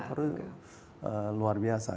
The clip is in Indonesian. motor luar biasa